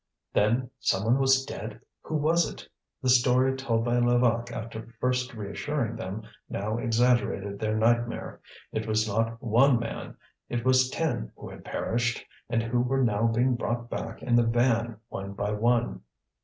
Then someone was dead? Who was it? The story told by Levaque after first reassuring them, now exaggerated their nightmare: it was not one man, it was ten who had perished, and who were now being brought back in the van one by one.